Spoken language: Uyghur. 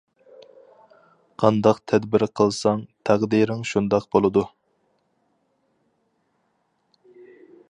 قانداق تەدبىر قىلساڭ تەقدىرىڭ شۇنداق بولىدۇ.